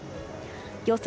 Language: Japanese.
予想